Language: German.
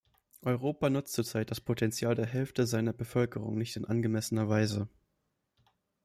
Europa nutzt zurzeit das Potenzial der Hälfte seiner Bevölkerung nicht in angemessener Weise.